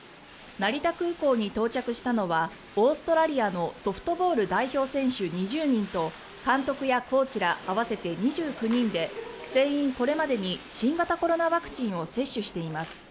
成田空港に到着したのはオーストラリアのソフトボール代表選手２０人と監督やコーチら合わせて２９人で全員これまでに新型コロナワクチンを接種しています。